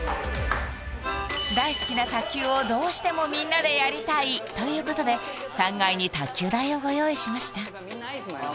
大好きな卓球をどうしてもみんなでやりたいということで３階に卓球台をご用意しました